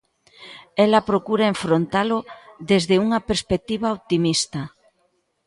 Ela procura enfrontalo desde unha perspectiva optimista.